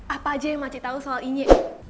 apa aja yang maca tau soal ini